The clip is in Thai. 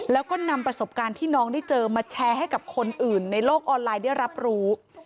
แล้วก็นำประสบการณ์ที่น้องได้เจอมาแชร์ให้กับคนอื่นในโลกออนไลน์ได้รับรู้